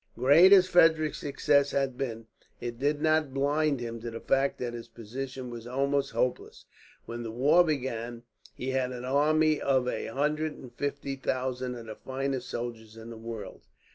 Great as Frederick's success had been, it did not blind him to the fact that his position was almost hopeless. When the war began, he had an army of a hundred and fifty thousand of the finest soldiers in the world.